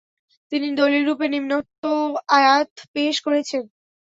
তিনি দলীলরূপে নিমোক্ত আয়াত পেশ করেছেন।